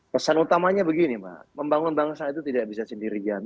pesan utamanya begini pak membangun bangsa itu tidak bisa sendirian